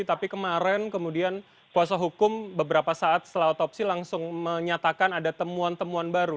tapi kemarin kemudian kuasa hukum beberapa saat setelah otopsi langsung menyatakan ada temuan temuan baru